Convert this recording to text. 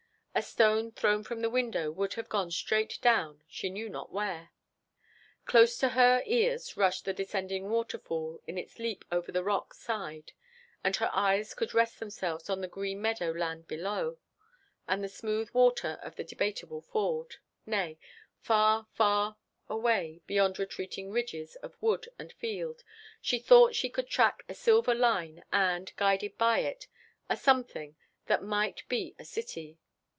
A stone thrown from the window would have gone straight down, she knew not where. Close to her ears rushed the descending waterfall in its leap over the rock side, and her eyes could rest themselves on the green meadow land below, and the smooth water of the Debateable Ford; nay—far, far away beyond retreating ridges of wood and field—she thought she could track a silver line and, guided by it, a something that might be a city.